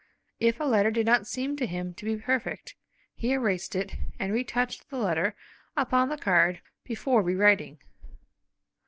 If a letter did not seem to him to be perfect he erased it and retouched the letter upon the card before rewriting.